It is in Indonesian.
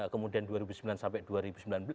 kemudian dua ribu sembilan sampai dua ribu sembilan belas